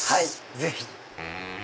ぜひ！